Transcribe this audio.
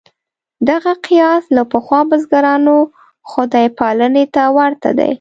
دغه قیاس له پخوا بزګرانو خدای پالنې ته ورته دی.